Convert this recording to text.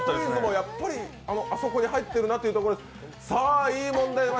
やっぱりあそこに入ってるなというところで。